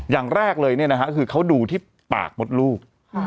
อย่างแรกเลยคือเขาดูที่ปากมดลูก